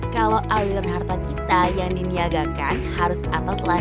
kalau aliran harta kita yang diniagakan harus apapun